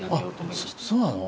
そうなの？